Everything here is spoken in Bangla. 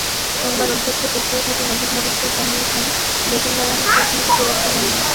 সোমবার অধ্যক্ষ সুফিয়া খাতুন অভিভাবকদের জানিয়েছেন, বেতন বাড়ানোর সিদ্ধান্ত চূড়ান্ত হয়নি।